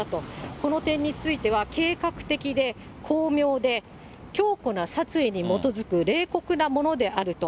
この点については、計画的で巧妙で、強固な殺意に基づく冷酷なものであると。